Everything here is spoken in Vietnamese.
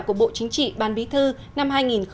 của bộ chính trị ban bí thư năm hai nghìn một mươi chín